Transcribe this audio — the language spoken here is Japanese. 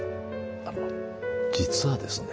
あの実はですね